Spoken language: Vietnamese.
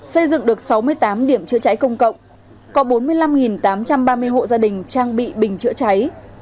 xây dựng được sáu mươi tám điểm chữa cháy công cộng có bốn mươi năm tám trăm ba mươi hộ gia đình trang bị bình chữa cháy